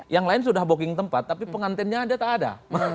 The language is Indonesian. yang lain sudah booking tempat tapi pengantennya ada tak ada